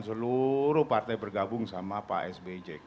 seluruh partai bergabung sama pak sby jk